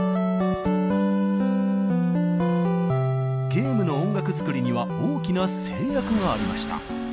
ゲームの音楽作りには大きな制約がありました。